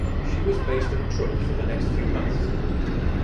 She was based at Truk for the next few months.